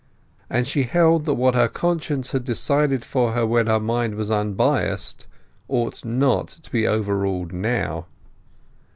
And she held that what her conscience had decided for her when her mind was unbiassed ought not to be overruled now.